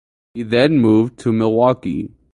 He then moved to Milwaukee.